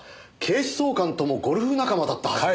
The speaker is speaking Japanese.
警視総監ともゴルフ仲間だったはず。